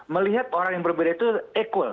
melihat orang yang berbeda itu equal